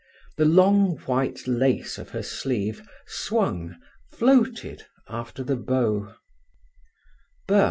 The long white lace of her sleeve swung, floated, after the bow.